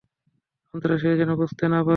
সন্ত্রাসীরা যেন বুঝতে না পারে।